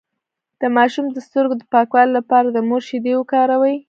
د ماشوم د سترګو د پاکوالي لپاره د مور شیدې وکاروئ